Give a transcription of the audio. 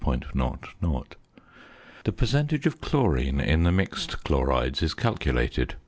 00 The percentage of chlorine in the mixed chlorides is calculated.